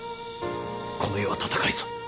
この世は戦いぞ。